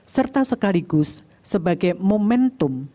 serta sekaligus sebagai momentum